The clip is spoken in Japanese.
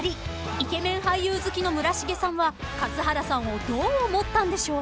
［イケメン俳優好きの村重さんは数原さんをどう思ったんでしょう］